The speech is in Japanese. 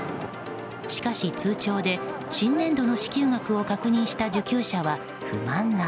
しかし通帳で新年度の支給額を確認した受給者は不満顔。